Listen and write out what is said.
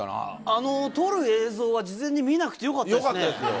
あの捕る映像は事前に見なくよかったですよ。